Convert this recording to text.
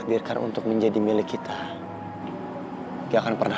makasih ya ismael